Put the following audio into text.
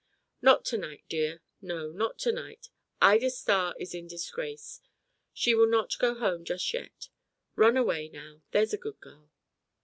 "Not to night, dear; no, not to night. Ida Starr is in disgrace. She will not go home just yet. Run away, now, there's a good girl."